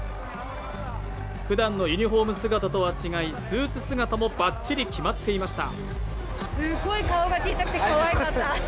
ふだんのユニフォーム姿とは違いスーツ姿もバッチリ決まっていました。